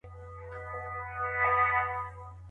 که څړځایونه مدیریت سي، نو واښه نه له منځه ځي.